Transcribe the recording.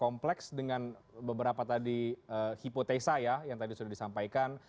kompleks dengan beberapa tadi hipotesa ya yang tadi sudah disampaikan